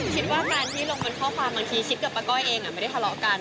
คิดว่าการที่ลงบนข้อความบางทีคิดกับป้าก้อยเองไม่ได้ทะเลาะกัน